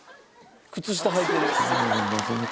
靴下はいてる。